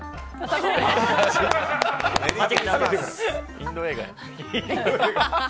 インド映画や。